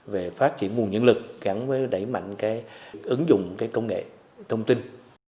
về phát triển nguồn nhân lực gắn với đẩy mạnh ứng dụng công nghệ